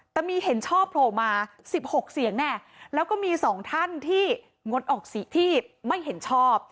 แต่มีเห็นชอบโผล่มา๑๖เสียงแน่แล้วก็มี๒ท่านที่งดออกเสียงที่ไม่เห็นชอบ